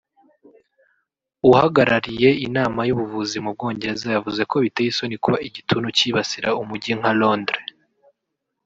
uhagarariye Inama y’Ubuvuzi mu Bwongereza yavuze ko biteye isoni kuba igituntu kibasira umujyi nka Londres